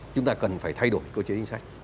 chúng ta cần phải thay đổi cơ chế chính sách